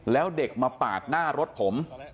แล้วเด็กมาปาดหน้ารถผม